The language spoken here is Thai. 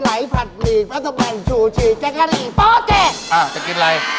อ้าวจะกินอะไร